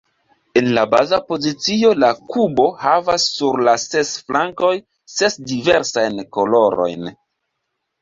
En la baza pozicio, la kubo havas sur la ses flankoj ses diversajn kolorojn.